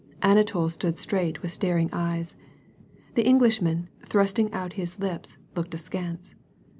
Anatol stood straight with staring eyes. The Englishman, thrusting out his lips, looked askance.